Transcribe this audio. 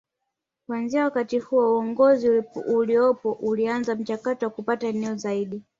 Kuanzia wakati huo uongozi uliokuwapo ulianza mchakato wa kupata eneo zaidi